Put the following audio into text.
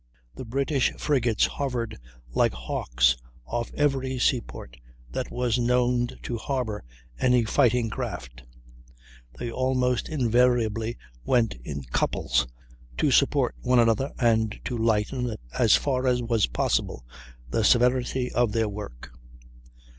The British frigates hovered like hawks off every seaport that was known to harbor any fighting craft; they almost invariably went in couples, to support one another and to lighten, as far as was possible, the severity of their work.